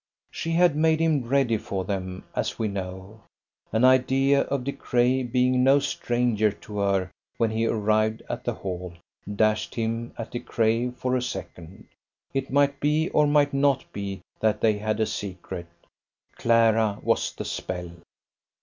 She had made him ready for them, as we know. An idea of De Craye being no stranger to her when he arrived at the Hall, dashed him at De Craye for a second: it might be or might not be that they had a secret; Clara was the spell.